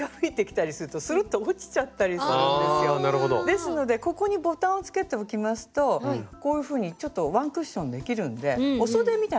ですのでここにボタンをつけておきますとこういうふうにワンクッションできるんでおそでみたいなことになるんですね。